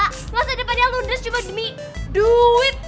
nggak usah depannya lunders cuma demi duit